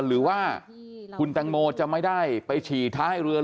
หรือว่าคุณตังโมจะไม่ได้ไปฉี่ท้ายเรือ